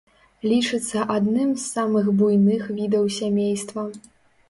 Лічыцца адным з самых буйных відаў сямейства.